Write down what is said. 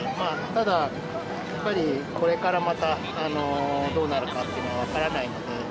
ただ、やっぱりこれからまた、どうなるかっていうのは分からないので。